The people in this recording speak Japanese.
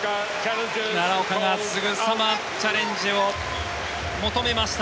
奈良岡がすぐさまチャレンジを求めました。